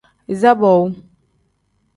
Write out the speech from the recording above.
Iza boowu.